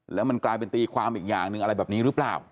แล้วมันกลายเป็นตีความอีกอย่างหนึ่งอะไรแบบนี้หรือเปล่า